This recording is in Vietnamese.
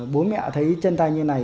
bố mẹ thấy chân tay như này